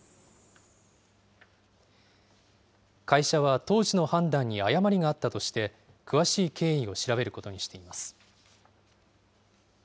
会社は当時の判断に誤りがあったとして、詳しい経緯を調べることにしています。